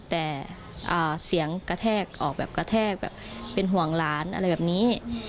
แต่เสียงกระแทกออกแบบกระแทกแบบเป็นห่วงหลานอะไรแบบนี้